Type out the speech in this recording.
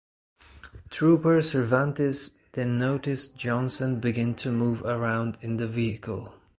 Trooper Cervantes then noticed Johnson begin to move around in the vehicle.